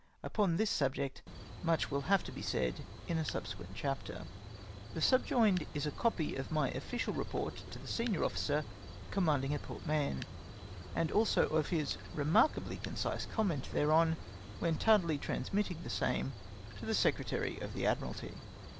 Upon this subject much will have to be said in a subsequent chapter. The subjomed is a copy of my official report to the senior officer commanding at Port Mahon ; and also of his remarkably concise comment thereon, when tardily transmitting the same to the Secretary of the Admiralty.